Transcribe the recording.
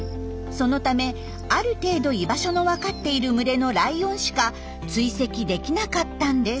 そのためある程度居場所のわかっている群れのライオンしか追跡できなかったんです。